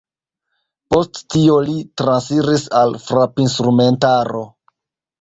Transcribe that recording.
Post tio li transiris al frapinstrumentaro.